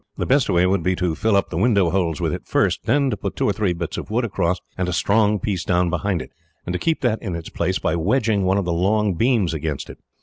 The best way would be to fill up the window holes with it first, then to put two or three bits of wood across, and a strong piece down behind it, and to keep that in its place by wedging one of the long beams against it.